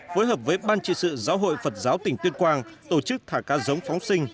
phối hợp với ban trị sự giáo hội phật giáo tỉnh tuyên quang tổ chức thả cá giống phóng sinh